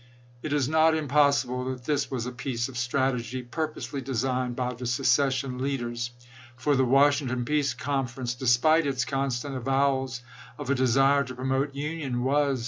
It is not impossible that this was a piece of strategy, purposely designed by the secession leaders; for the Washington peace conference, despite its con stant avowals of a desire to promote union, was.